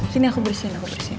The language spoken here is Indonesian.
sini aku bersihin aku bersihin